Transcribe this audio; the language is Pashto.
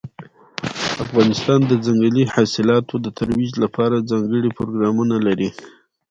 افغانستان د ځنګلي حاصلاتو د ترویج لپاره ځانګړي پروګرامونه لري.